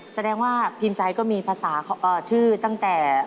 แสดงว่าพิมพ์ใจก็มีภาษาชื่อตั้งแต่